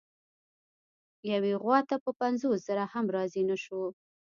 یوې غوا ته په پنځوس زره هم راضي نه شو.